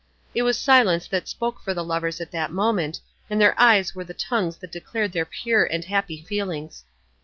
It was silence that spoke for the lovers at that moment, and their eyes were the tongues that declared their pure and happy feelings.